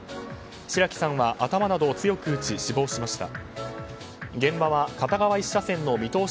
白木さんは頭などを強く打ち死亡しました。